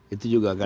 itu juga kan